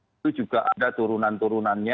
itu juga ada turunan turunannya